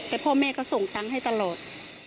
แต่พ่อแม่ก็ส่งตังค์ให้ตลอด